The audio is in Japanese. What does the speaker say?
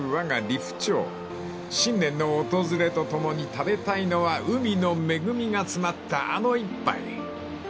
［新年の訪れとともに食べたいのは海の恵みが詰まったあの一杯］